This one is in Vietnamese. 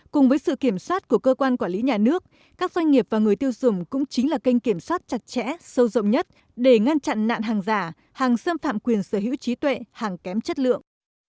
cùng với sự kiểm soát của cơ quan quản lý nhà nước các doanh nghiệp và người tiêu dùng cũng chính là kênh kiểm soát chặt chẽ sâu rộng nhất để ngăn chặn nạn hàng giả hàng xâm phạm quyền sở hữu trí tuệ hàng kém chất lượng